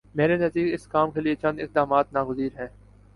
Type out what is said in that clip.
میرے نزدیک اس کام کے لیے چند اقدامات ناگزیر ہیں۔